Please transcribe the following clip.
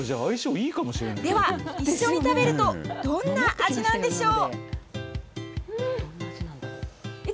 では、一緒に食べるとどんな味なんでしょう。